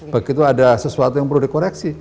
begitu ada sesuatu yang perlu dikoreksi